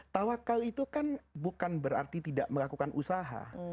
tawakal itu kan bukan berarti tidak melakukan usaha